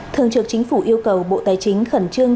thường trực chính phủ yêu cầu bộ tài chính khẩn trương